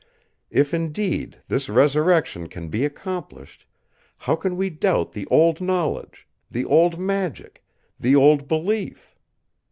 If indeed this resurrection can be accomplished, how can we doubt the old knowledge, the old magic, the old belief!